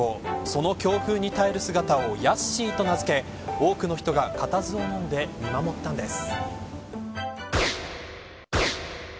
その強風に帰る姿をヤッシーと名付け多くの人が固唾をのんで見守ったんです。